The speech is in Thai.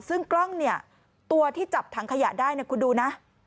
ซึ่งกล้องเนี่ยตัวที่จับถังขยะได้คุณดูนะ